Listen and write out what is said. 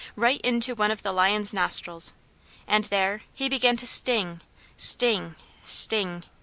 right into one of the Lion's nostrils! And there he began to sting, sting, sting.